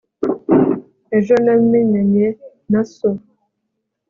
ejo namenyanye na so